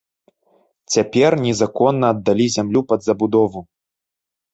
Цяпер незаконна аддалі зямлю пад забудову.